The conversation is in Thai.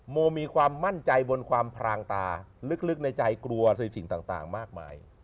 โมมีความมั่นใจบนความพรางตาลึกในใจกลัวในสิ่งต่างมากมาย